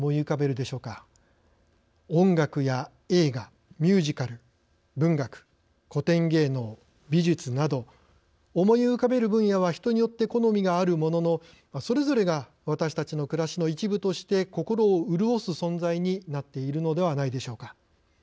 音楽や映画ミュージカル文学古典芸能美術など思い浮かべる分野は人によって好みがあるもののそれぞれが私たちの暮らしの一部として心を潤す存在になっているのではないでしょうか。